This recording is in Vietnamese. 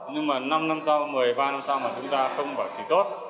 nhưng mà năm năm sau một mươi ba năm sau mà chúng ta không bảo trì tốt